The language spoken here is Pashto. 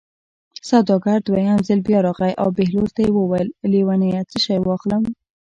سوداګر دویم ځل بیا راغی او بهلول ته یې وویل: لېونیه څه شی واخلم.